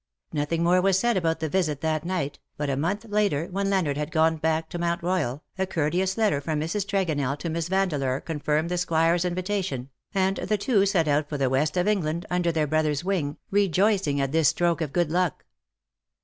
Nothing more was said about the visit that night, but a month later, when Leonard had gone back to Mount Royal, a courteous letter from Mrs. Trego nell to Miss Vandeleur confirmed the Squire's invitation, and the two set out for the West of England under their brother's wing, rejoicing at 188 '' AND PALE FROM THE PAST this stroke of good luck.